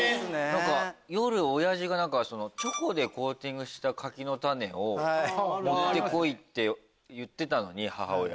夜おやじがチョコでコーティングした柿の種を持ってこいって言ってたのに母親に。